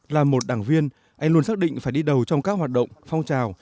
là một đảng viên anh luôn xác định phải đi đầu trong các hoạt động phong trào